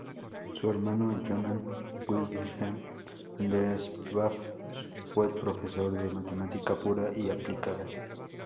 Su hermano Johann Wilhelm Andreas Pfaff fue profesor de matemática pura y aplicada.